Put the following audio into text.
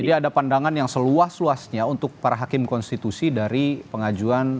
jadi ada pandangan yang seluas luasnya untuk para hakim konstitusi dari pengajuan